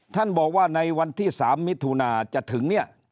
ท่านบอกว่าในวันที่๓มิถุนาจะถึงเนี่ย